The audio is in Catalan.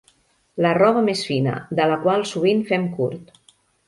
La roba més fina, de la qual sovint fem curt.